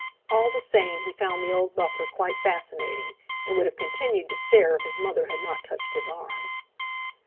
All the same he found the old buffer quite fascinating, and would have continued to stare if his mother had not touched his arm.